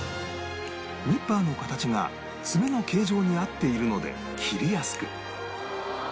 ニッパーの形が爪の形状に合っているので切りやすく